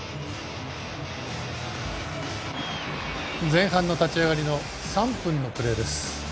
前半の立ち上がりの３分のプレーです。